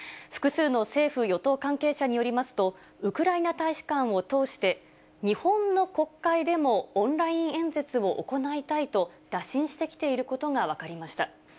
複数の政府・与党関係者によりますと、ウクライナ大使館を通して、日本の国会でもオンライン演説を行いたいと、打診してきていることが分かりました。